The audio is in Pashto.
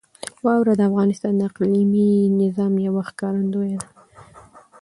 واوره د افغانستان د اقلیمي نظام یوه ښکارندوی ده.